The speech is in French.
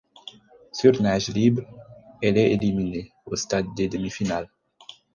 Sur nage libre, elle est éliminée au stade des demi-finales.